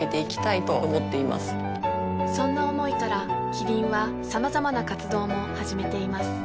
そんな思いからキリンはさまざまな活動も始めています